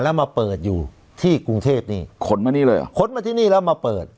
แล้วมาเปิดอยู่ที่กรุงเทพนี่ขนมานี่เลยเหรอขนมาที่นี่แล้วมาเปิด